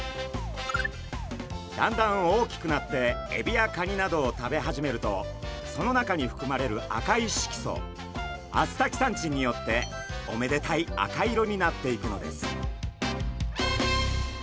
だんだん大きくなってエビやカニなどを食べ始めるとその中にふくまれる赤い色素アスタキサンチンによっておめでたい赤色になっていくのです。